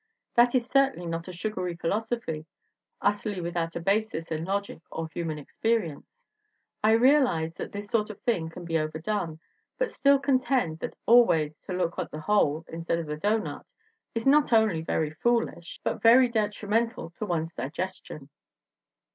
That is certainly not a sugary philosophy utterly without a basis in logic or human experience. I re alize that this sort of thing can be overdone, but still contend that always to look at the hole instead of the doughnut is not only very foolish but very detrimental to one's digestion."